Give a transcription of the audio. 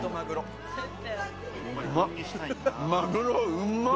うまっ！